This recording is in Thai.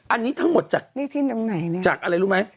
อันนี้ทั้งหมดจากจากอะไรรู้ไหม